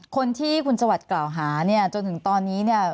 คนที่คุณชะวัดเก่าหาจนถึงตอนนี้